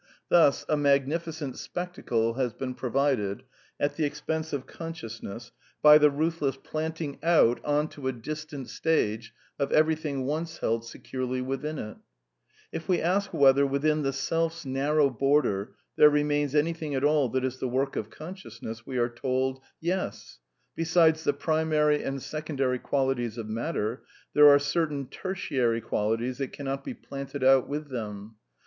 Thus, a magnificent spectacle has been provided, at the expense of conscious ness, by the ruthless planting out on to a distant stage of everything once held securely within it If we ask whether, within the Selfs narrow border, there remains anything at all that is the work of conscious ness, we are told : Yes ; besides the primary and second ary qualities of matter lliere are certain tgrti^y qualities that cannot be planted out with them.